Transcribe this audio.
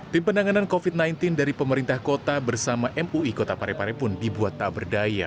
tim penanganan covid sembilan belas dari pemerintah kota bersama mui kota parepare pun dibuat tak berdaya